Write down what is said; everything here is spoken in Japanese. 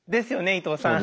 伊藤さん。